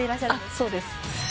そうです